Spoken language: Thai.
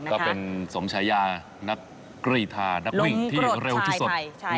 ก็เป็นสมชายานักกรีธานักวิ่งที่เร็วที่สุด